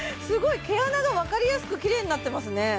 すごい毛穴が分かりやすくきれいになってますね